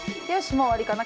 もう終わりかな？